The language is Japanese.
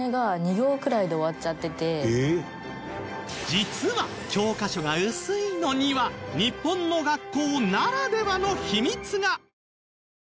実は教科書が薄いのには日本の学校ならではの秘密が！